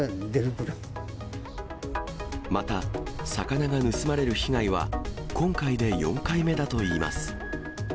また魚が盗まれる被害は今回で４回目だといいます。